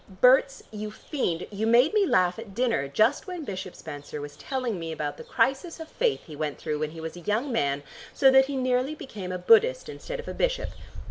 Berts, you fiend, you made me laugh at dinner just when Bishop Spenser was telling me about the crisis of faith he went through when he was a young man so that he nearly became a Buddhist instead of a bishop.